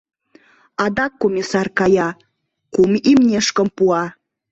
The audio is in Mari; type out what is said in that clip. Адак комиссар кая, кум имнешкым пуа.